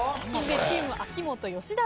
チーム秋元吉田さん。